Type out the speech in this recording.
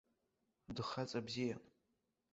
Дхаҵа бзиан.